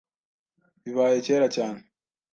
Bibaye kera cyane. .